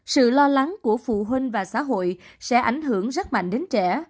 sự lo lắng của phụ huynh và xã hội sẽ ảnh hưởng rất mạnh đến trẻ